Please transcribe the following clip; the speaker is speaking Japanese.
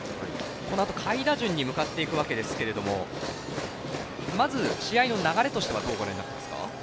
このあと下位打順に向かっていくわけですけどまず、試合の流れとしてはどうご覧になりますか？